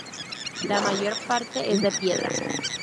La mayor parte es de piedra.